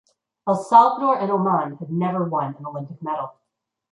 El Salvador and Oman had never won an Olympic medal.